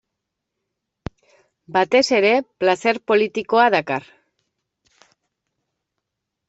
Batez ere, plazer politikoa dakar.